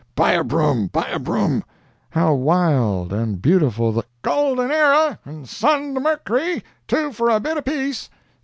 ("Buy a broom! buy a broom!") How wild and beautiful the ("Golden Era 'n' Sund' Mercry, two for a bit apiece!")